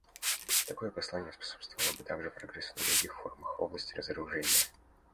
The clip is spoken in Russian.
Такое послание способствовало бы также прогрессу на других форумах в области разоружения.